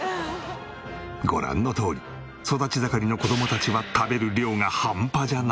ご覧のとおり育ち盛りの子供たちは食べる量が半端じゃない。